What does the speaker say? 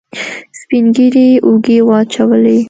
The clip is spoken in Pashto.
سپينږيري اوږې واچولې.